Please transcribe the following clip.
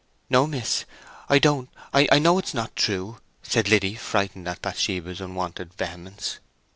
"No, miss. I don't—I know it is not true!" said Liddy, frightened at Bathsheba's unwonted vehemence.